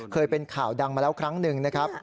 เคยเป็นข่าวดังมาแล้วครั้งหนึ่งนะครับ